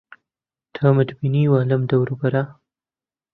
تۆمت بینیوە لەم دەوروبەرە؟